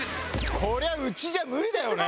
こりゃうちじゃ無理だよね。